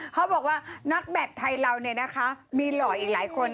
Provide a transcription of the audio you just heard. เขาบอกว่านักแบตไทยเราเนี่ยนะคะมีหล่ออีกหลายคน